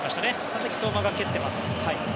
その時、相馬が蹴っています。